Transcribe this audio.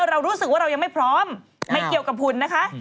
เรารู้สึกว่าเรายังไม่พร้อมไม่เกี่ยวกับคุณนะคะ